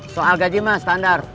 soal gaji mah standar